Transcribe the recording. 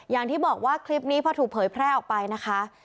อย่างที่บอกว่าคลิปนี้พอถูกเผยแพร่ออกไปนะคะ